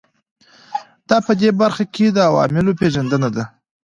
دا په دې برخه کې د عواملو پېژندنه ده.